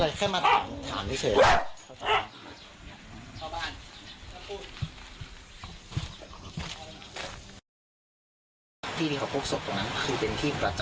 เหนื่อยครับขอร้อง